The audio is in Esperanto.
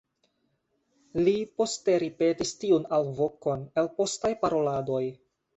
Li poste ripetis tiun alvokon en postaj paroladoj.